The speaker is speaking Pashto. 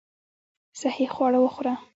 صحي خواړه وخوره .